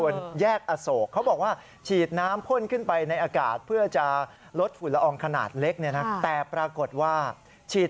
แล้วก็คลิปในตรงนี้แถวอโศก